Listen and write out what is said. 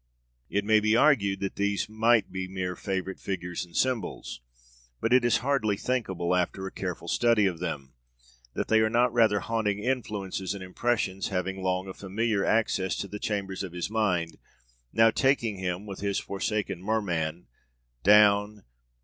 It may be argued that these might be mere favorite figures and symbols; but it is hardly thinkable, after a careful study of them, that they are not rather haunting influences and impressions having long a familiar access to the chambers of his mind, now taking him with his forsaken Merman, Down, down, down!